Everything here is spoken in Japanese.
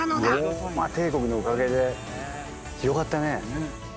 ローマ帝国のおかげで広がったね。